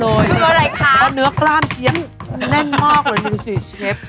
ต้องกลัวเลยเพราะเนื้อกล้ามเชี๊ยมแน่นมากเหมือนอยู่สิเชฟ